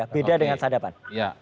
beda dengan sadapan